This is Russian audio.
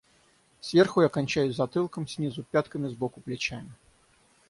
Сверху я кончаюсь затылком, снизу пятками, сбоку плечами.